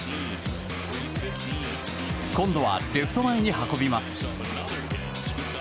今度はレフト前に運びます。